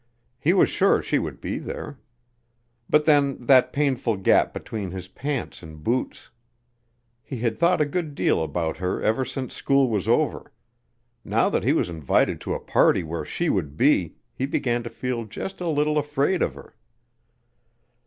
He was sure she would be there. But then, that painful gap between his pants and boots! He had thought a good deal about her ever since school was over. Now that he was invited to a party where she would be, he began to feel just a little afraid of her.